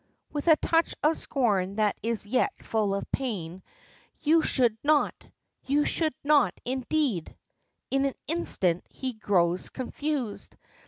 with a touch of scorn that is yet full of pain, "you should not. You should not, indeed!" In an instant he grows confused.